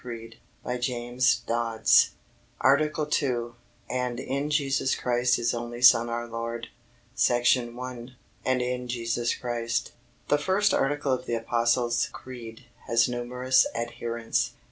'" ARTICLE 2 And in Jesus Christ His only Son our Lord SECTION 1. AND IN JESUS CHRIST The first article of the Apostles' Creed has numerous adherents.